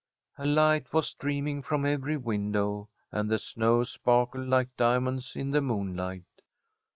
A light was streaming from every window, and the snow sparkled like diamonds in the moonlight.